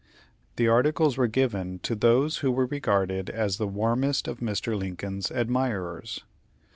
The articles were given to those who were regarded as the warmest of Mr. Lincoln's admirers.